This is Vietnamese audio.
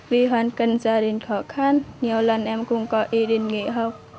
vì hoàn cảnh gia đình khó khăn nhiều lần em cũng có ý định nghỉ học